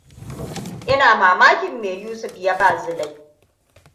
Ina mamakin me Yusuf ya ba Zulai.